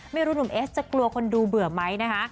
หนุ่มเอสจะกลัวคนดูเบื่อไหมนะคะ